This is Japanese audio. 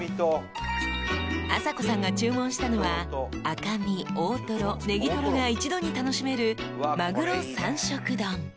［あさこさんが注文したのは赤身大トロネギトロが一度に楽しめる］